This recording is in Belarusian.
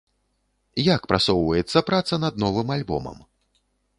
Як прасоўваецца праца над новым альбомам?